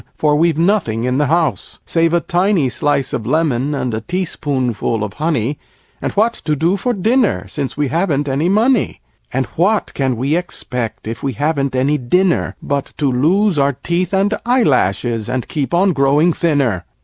For we've nothing in the house, Save a tiny slice of lemon and a teaspoonful of honey, And what to do for dinner since we haven't any money? And what can we expect if we haven't any dinner, But to lose our teeth and eyelashes and keep on growing thinner?"